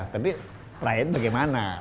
tapi perayaan bagaimana